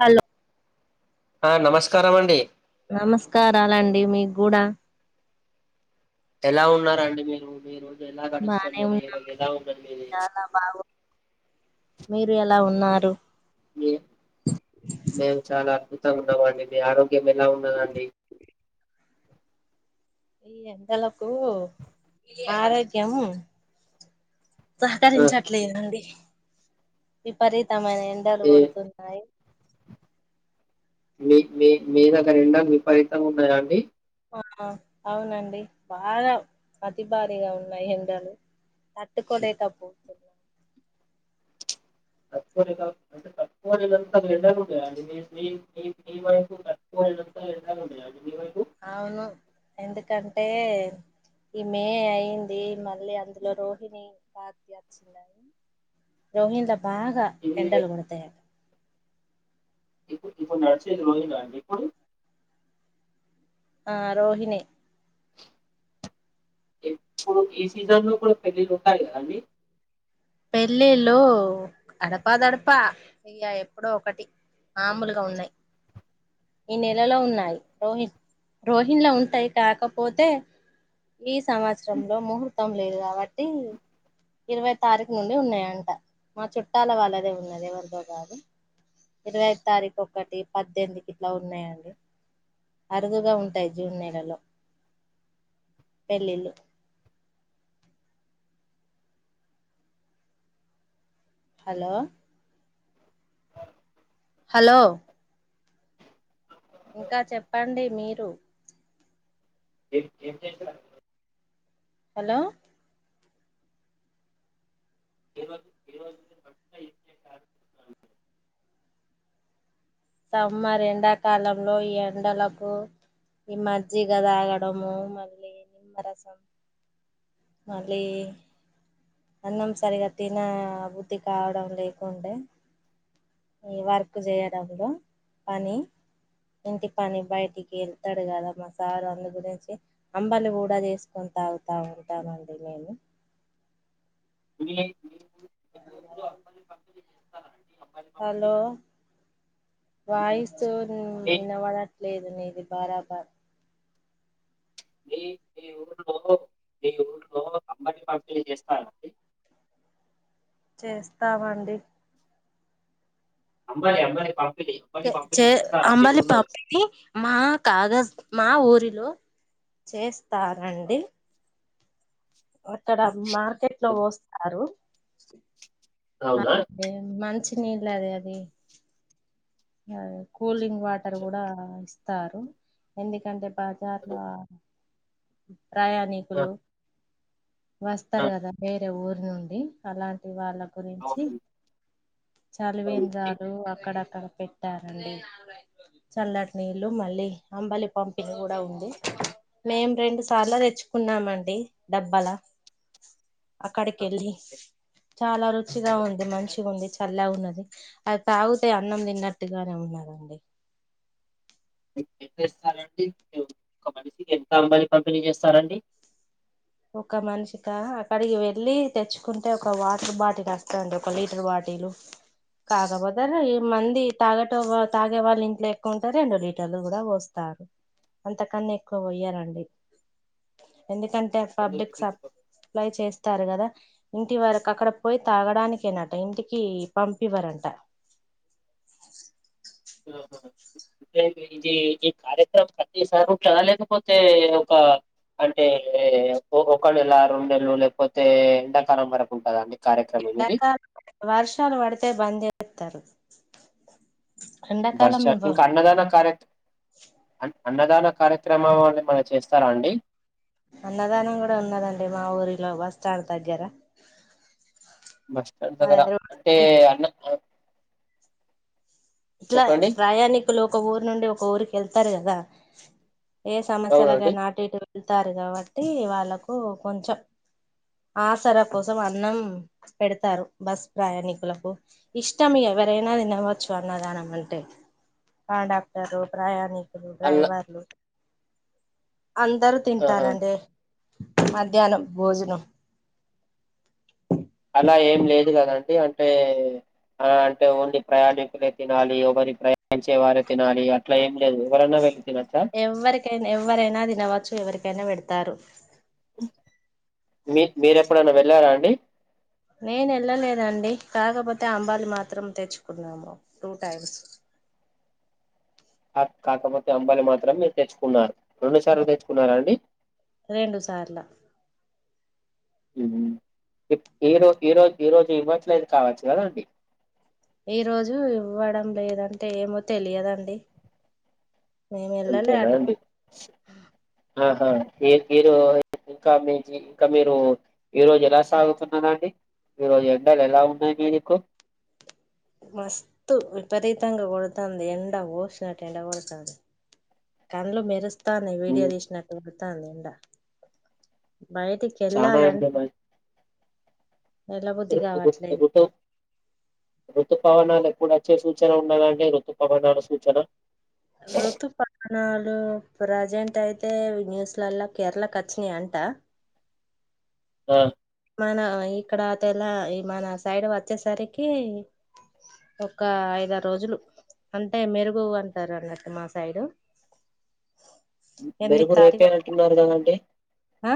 Hello ఆ నమస్కారం అండి నమస్కారాలండి మీ గ్గూడా ఎలా ఉన్నారండి మీరు మీరు బానే ఉన్నామండి మీది చాలా బాగు మీరు ఎలా ఉన్ నారు ఏ మేము చాలా అద్భుతంగా ఉన్నమండి మీ ఆరోగ్యం ఎలా ఉన్నదండి [inaudible] ఈ ఎండలకూ ఆరోగ్యం ఆ సహకరించట్లేదండి విపరీతమైన ఎండలు ఏ గొడుతున్నాయి మీ మీ మీ దగ్గర ఎండ విపరీతంగా ఉన్నదా అండి ఆ అవునండి బాగా అతి భారీగా ఉన్నాయి ఎండలు తట్టుకోలేక పోతున్న [inaudible] [unintelligible] నీడ ఉంటదా ఎండలు ఉంటాయా మీ వైపు అవును ఎందుకంటే ఈ మే అయింది మళ్ళీ అందులో రోహిణి కార్తీ వచ్చింది అని రోహిల్లా బాగా ఇది ఎండలు కొడుతయ అంట ఇప్పు ఇప్పుడు నడిచేది రోహిణి నా అండి ఇపుడు ఆ రోహిణి ఇప్పుడు ఈ సీజన్ లో కూడా పెళ్లిలు ఉంటాయా అండి పెళ్ళిళ్ళు గడపాదడపా ఇగా. ఎప్పుడో ఒకటి మాములు గా ఉన్నాయి ఈ నెలలో ఉన్నాయి రోహిన్ రోహిన్లా ఉంటాయి కాకపోతే ఈ సంవత్సరంలో ముహూర్తం లేదు కాబట్టి ఇరవై తారీకు నుండి ఉన్నాయంట మా చుట్టాల వాళ్ళదే ఉన్నది ఎవరిదో కాదు ఇరవై తారీకు ఒకటి పద్దెనిమిది ఇలా ఉన్నాయండి అరుదుగా ఉంటాయి జూన్ నెలలో పెళ్లిళ్లు హలో హలో ఇంకా చెప్పండి మీరు ఏ ఏం చేస్తునారు మీరు హలో ఈ రోజు ఈ రోజు మీరు మంచిగా ఏం చేశారు సమ్మర్ ఎండాకాలంలో ఈ ఎండలకు ఇ మజ్జిగ తాగడము మళ్లి నిమ్మరసం మళ్లీ అన్నం సరిగా తినా బుద్ధి కావడం లేకుంటే ఈ వర్క్ చేయడంలో పని ఇంటి పని బయటికి వెళ్తాడు కదా మ సార్ అందు గురించి అంబలి కూడా చేసుకు తావుతా ఉంటామండి మేము [inaudible] [unintelligible] ఊర్లో అబ్బాయిల పంపిణీ చేస్తారా అండి? అబ్బాయిల పంపిణీ? హలో వాయిస్ మీ వినబడ లేదు నీది బారాబార్ మీ మీ మరి పంపినీ చేస్తారు అండి చేస్తామండి అంబలి అంబలి పా చే అంబలి పంపిణీ మా కాగజ మా ఊరిలో చేస్తారండి అక్కడ మార్కెట్లో పోస్తారు అవునా? అదే మంచినీళ్ళ అదే అది అదే కూలింగ్ వాటర్ కూడా ఇస్తారు ఎందుకంటే బజార్ లా ఆ, ప్రయాణికులు ఆ, వస్తారు కదా వేరే ఊరు నుండి అలాంటి వాళ్ళ గురించి అవునండి అవునండి. చలివేంద్రాలు అక్కడక్కడ పెట్ టారండి చల్లటి నీళ్ళు మళ్ళీ అంబలి పంపిణీ కూడా ఉంది మేం రెండు సార్లు తెచ్చుకున్నామండి డబ్బలా అక్కడికి ఆ, వెళ్ళి ఎ- చాలా రుచిగా ఎ- ఉంది మంచిగా ఉంది చల్ల ఉన్నది అది తాగుతే అన్నం తిన్నట్ ట్టిగానే ఉన్నదండి ఏస్తాడండీ ఒక మనిషికి ఎంత అంబలి పంపిణీ చేస్తారండి ఒక మనిషిక అక్కడికి వెళ్ళి తెచ్చుకుంటే ఒక వాటర్ బాటిల్ వస్తాండి ఒక లీటర్ బా టీలు కాకపోతే ఈ మంది తాగటే తాగే వాళ్ళ ఇంట్లో ఎక్కువ ఉంటే రెండు లీటర్లు కూడా పోస్తా అంతకన్న ఎక్కువ పోయారండి ఎందుకంటే రెండు పబ్లిక్ సప్ లీటర్లు సప్లై చేస్తారు కదా ఇంటి వరకు అక్కడ పోయి తాగడానికేనంట ఇంటికి పంపివ్వరంట ఆ హు ఐతే ఇది ఈ కార్యక్రమం ప్రతిసారి ఉంటద లేకపోతే ఒక అంటే ఒక వేల రెండునెలు లేకపోతే ఎండాకాలం వరకు ఉంటదండి ఎండాకల్ వర్షాలు పడితే బంద్ చేస్తారు వర్ష ఎండాకాలం ఇంకా అన్నదాన కార్యక అన్నదాన కార్యక్రమంని మన చేస్తారా అండి అన్నదానం కూడా ఉన్నదండి మా ఊరిలో బస్ స్టాండ్ దగ్గర బస్ స్టాండ్ దగ్గర అంటే అన్న ఇట్లా చెప్పండి? ప్రయాణికులు ఒక ఊరు నుండి ఒక ఊరికి వెళ్తారు కదా ఏ అవునండి. సమస్యలకైనా అటు ఇటు వెళ్తారు కాబట్టి వాళ్ళకు కొంచెం ఆసరా కోసం అన్నం పెడతారు బస్ ప్రయాణికులకు ఇష్టం ఇగ ఎవరైనా తినవచ్చు అన్నదానం అంటే కాండక్టర్ ప్రయాణికులు అలా డ్రైవర్లు అందరు ఆహా! తింటారండి మధ్యాహ్నం భోజనం ఇలా ఏం లేదు కదండి అంటే ఆ అంటే ఓన్లీ ప్రయాణికులే తినాలి ఒకరి ప్రయాణించే వారే తినాలి అట్లా ఏం లేదు ఎవరైనా వెల్లి ఎవరికైనా ఎవ్వరైనా తినవచ్చు ఎవరికైనా పెడతారు మీ మీరెప్పుడైనా వెళ్ళారా అండి నేను ఎళ్ళలేదండి కాకపోతే అంబాలి మాత్రం తెచ్చుకున్నాము టూ టైమ్స్ కాకపోతే అంబలి మాత్రం తెచ్చుకున్నారు రెండు సార్లు తెచ్చుకున్నారా అండి రెండు సార్ల ఈరో ఈరోజు ఈరోజు ఇవ్వట్లేదు కావచ్చు కదా అండి ఈ రోజు ఇవ్వడం లేదంటే ఏమో తెలియదండి మేము వెళ్ళలే అంతేనా అటు అండి ఆహా ఏ తీరు ఇంకా మీ ఇంకా మీరు ఈ రోజు ఎలా సాగుతున్నారండి ఈ రోజు ఎండలు ఎలా ఉన్నాయి మీ దిక్కు మస్తు విపరితంగా కొడు తంది ఎండ ఓశ నట్ ఎండ కొడు తంది కన్లు మెరుస్తాంది వీడియో తీసినట్లు పడతాంది ఎండా బయటికి చాలా ఎండలు వెళ్ళాలంటే ఉన్నాయి. ఎల్ల బుద్ధి ఋ కావట్లేదు ఋతు ఋతుపవనాలు ఎప్పుడచ్చే సూచన ఉండదండి ఋతుపవనాల సూచన ఋతుపవనాలు ప్రజెంట్ అయితే న్యూస్లలా కేరళ కచ్చినాయి అంట ఆ మన ఇక్కడ తెలా ఇ మన సైడ్ వచ్చేసరికి ఒక్క ఐదారోజులు అంటే మెరుగు అంటారు అన్నట్టు మా సైడు ఎనిమిది మెరుగు రేపే తారీఖు అంటున్నారు కదాండి ఆ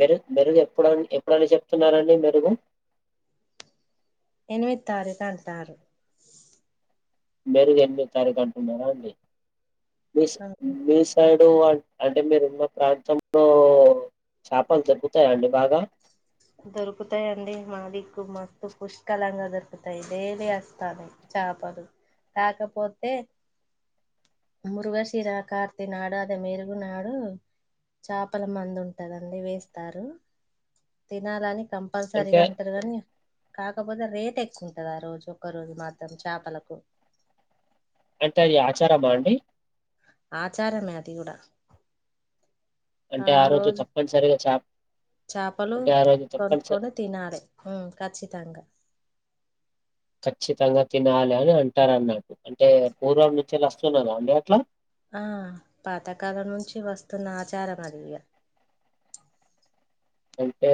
మెరుగ్ మెరుగు ఎప్పుడ్ ఎప్పుడని చెప్తున్నారండి మెరుగు ఎనిమిది తారీఖు అంటన్నారు మెరుగు ఎనిమిది తారీఖు అంటున్నారా అండి మిస్ అవును మీ సైడ్ డు అన్ అంటే మీరున్న ప్రాంతంలో చాపలు దొరుగుతాయా అండి బాగా దొరుకుతాయండి మా దిక్కు మాకు పుష్కలంగా దొరుకుతాయి డైలీ వస్తారు చాపలు కాకపోతే మురుగశిరా కాకినాడ మెరుగు నాడు చాపల మందు ఉంటదండి వేస్తారు తినాలని అంటే కంపల్సరీగా అంటారు గానీ కాకపోతే రేట్ ఎక్కు ఉంటది ఆ రోజు ఒక్క రోజు మాత్రం చాపలకు అంటే అది ఆచారమా అండి ఆచారమే అది కూడా అంటే ఆ రోజు తప్పనిసరిగా చా చాపలు కొనుక్కొని తినాలి హుమ్ ఖచ్చితంగా ఖచ్చితంగా తినాలి అని అంటారు అన్నట్ అంటే పూర్వం నుంచి వస్తున్నదా అండి అట్లా ఆ పాతకాలం నుంచి వస్తున్న ఆచారం అది ఇగ అంటే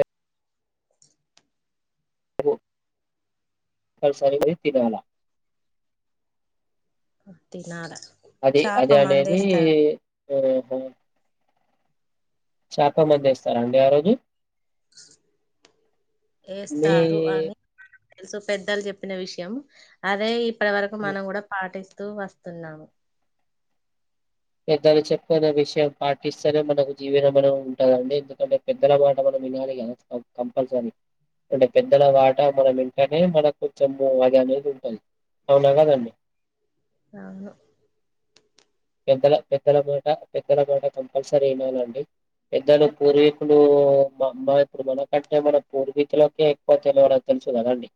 కల్సరి బోయ్ తినాల తినాల అది చాప అది అనేది మందేస్తారు ఆ చాప మందు ఏస్తారా అండి ఆ రోజు మీ ఏస్తారు అని పెద్దలు చెప్పిన విషయం అదే ఇప్పటి వరకు మనం కూడా పాటిస్ తూ వస్తున్నాం పెద్దలు చెప్పున విషయం పాటిస్తేనే మనకు జీవనమనే ఉంటదండి ఎందుకంటే పెద్దల మాట మనం వినాలి కదా కంపల్సరీ అంటే పెద్దల వాట మనం వింటనే మన కొంచెము అది అనేది ఉంటది అవునా కాదా అవును పెద్దల పెద్దల మాట పెద్దల మాట కంపల్సరీ ఇనాలండి పెద్దలు పూర్వీకులు మన మనకంటే మన పూర్వీకులకే ఎక్కువ తెలివనంత చ్ గదండి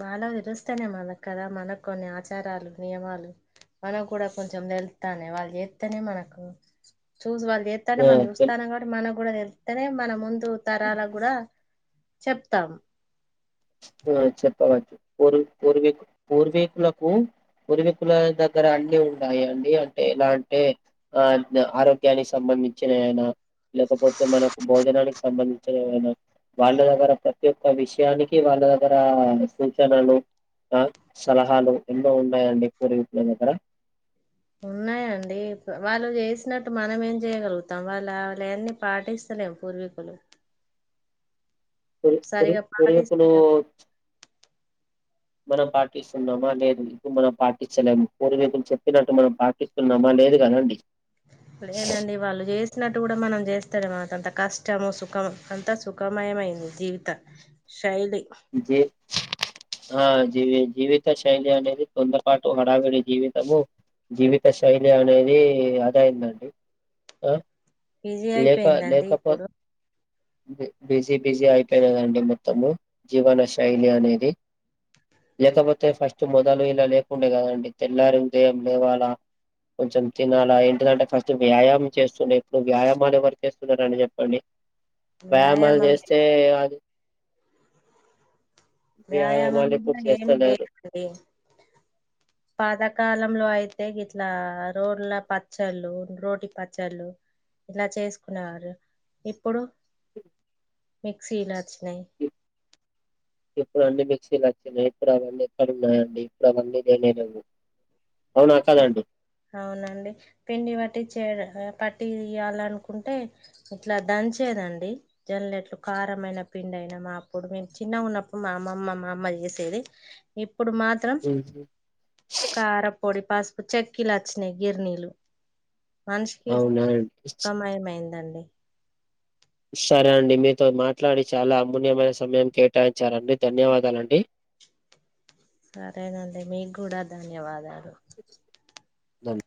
మాలో విరుస్తన్నయ్ మనక్ కదా మనకు కొన్ని ఆచారాలు నియమాలు మనం కూడా కొంచెం తెలుతన్నయ్ వాళ్ళు చేత్తనే మనకు చూసి వాళ్ళు చేత్తంటే ఆ మనం తెలు చూస్తన్నం కాబట్టి మనకు కూడా తెలుతన్నయ్ మన ముందు తరాల కూడా చెప్తాం ఆ చెప్పవచ్చు పూర్వ పూర్వీక్ పూర్వీకులకు పూర్మికుల దగ్గర అన్ని ఉంటాయండి అంటే ఎలా అంటే ఆ ఆరోగ్యానికి సంబంధిం నిచ్చనేయనా లేకపోతే మనకు భోజనానికి సంబంధించిన ఏమైనా వాళ్ళ దగ్గర ప్రతి ఒక్క విషయానికి వాళ్ళ దగ్గర సూచనలు ఆ సలహాలు ఎన్నో ఉన్నాయండి పూర్వికుల దగ్గర ఉన్నయ అండి వాళ్ళు చేసినట్టు మనమేం చేయగలుగుతాం వాళ్ళ వాళయన్ని పాటిస్తలేం పూర్వీకులు పురి పురి సరిగా పాటిస్త పొరియప్పులో మనం పాటిస్తున్నామా లేదు ఇప్పు మనం పాటిచలేము పూర్వీకులు చెప్పినట్టు మనం పాటిస్తున్నామా లేదు గానండి ఇప్పుడేందండి వాళ్ళు చేస్ వచ్చినట్టు గూడా మనం చేస్తాడే మనకంత కష్టము సుఖం అంత సుఖమయమయింది జీవిత కైది జీ ఆ జీవి జీవిత శైలి అనేది కొందపాటు హడావిడి జీవితము జీవిత శైలి అనేది అదైందండి ఈజీ లేక అయిపోయిందండి లేకపోత్ ఇప్పుడు బిజీ బిజీ అయిపోయినదండి మొత్తము జీవన శైలి అనేది లేకపోతే ఫస్ట్ మొదలు ఇలా లేకుండే గదండి తెల్లారి ఉదయం లేవాలా కొంచెం తినాలా ఏంటిదంటే ఫస్ట్ వ్యాయామం చేస్తుండే ఇప్పుడు వ్యాయామాలు ఎవరు చేస్తునరండి చెప్పండి? వ్యాయామాలు వ్యాయామం లే- చేస్తే అది వ్యాయామం వ్యాయామాలు ఇప్పుడు ఏమి చేస్తలేరు లేదండి పాతకాలంలో గిట్లా రోళ్ళ పచ్చళ్ళు రోటి పచ్చళ్ళు ఇలా చేసుకునేవారు ఇప్పుడు మిక్సీలాచిన్నయ్ ఇప్పుడండి మిక్సీలచ్చినయి ఇప్పుడు అవన్నీ ఎక్కడ ఉన్నాయండి ఇప్పుడు అవన్నీ లేనే లెవ్వు అవునండి పిండి పటిచేద పట్టి తీయ్యాలనుకుంటే ఇట్లా దంచేదండి జన్లెట్లు కారమైన పిండైనా మా అప్పుడు మేము చిన్నగున్నప్పుడు మా అమమ్మ మా అమ్మ చేసేది ఇప్పుడు మాత్రం కారం పాస్పు చక్కిలాచ్చినై గిర్నీలు మన్ష్కి అవునా అండి కమైమైందండి సరే అండి మీతో మాట్లాడి చాలా అమూల్యమైన సమయం కేటాయిచారండి ధన్యవాదాలండి సరేనండి మీగ్గూడా ధన్యవాదాలు దన్